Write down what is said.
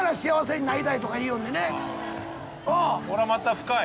こりゃまた深い。